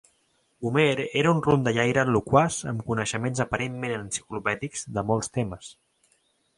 Gummere era un rondallaire loquaç amb coneixements aparentment enciclopèdics de molts temes.